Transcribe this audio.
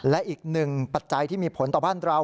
และอีกหนึ่งปัจจัยที่มีผลต่อบ้านเรา